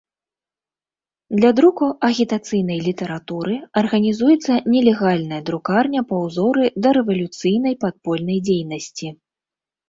Для друку агітацыйнай літаратуры арганізуецца нелегальная друкарня па ўзоры дарэвалюцыйнай падпольнай дзейнасці.